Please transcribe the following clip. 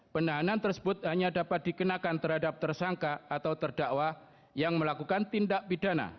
penahanan tersebut hanya dapat dikenakan terhadap tersangka atau terdakwa yang melakukan tindak pidana